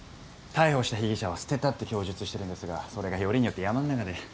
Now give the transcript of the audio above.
逮捕した被疑者は捨てたって供述してるんですがそれがよりによって山ん中で。